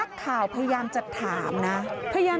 โชว์บ้านในพื้นที่เขารู้สึกยังไงกับเรื่องที่เกิดขึ้น